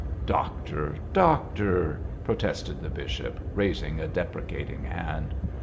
'Doctor, doctor,' protested the bishop, raising a deprecating hand.